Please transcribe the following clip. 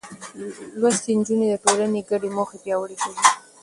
لوستې نجونې د ټولنې ګډې موخې پياوړې کوي.